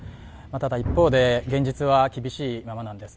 ただ、一方で現実は厳しいままなんです。